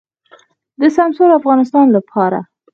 د سمسور افغانستان لپاره.